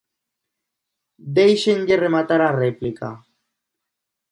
Déixenlle rematar a réplica.